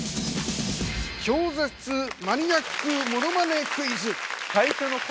「超絶マニアックモノマネクイズ」。